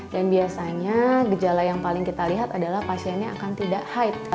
dan biasanya gejala yang paling kita lihat adalah pasiennya akan tidak hide